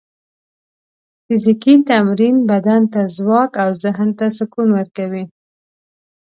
فزیکي تمرین بدن ته ځواک او ذهن ته سکون ورکوي.